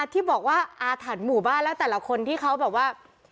ที่บอกว่าอาถรรพ์หมู่บ้านแล้วแต่ละคนที่เขาแบบว่า